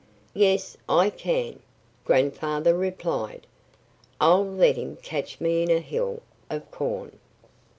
"Yes, I can!" Grandfather replied. "I'll let him catch me in a hill of corn."